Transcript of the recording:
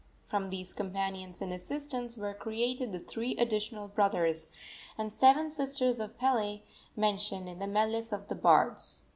From these companions and assistants were created the three additional brothers and seven sisters of Pele mentioned in the meles of the bards.